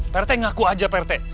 prt ngaku aja prt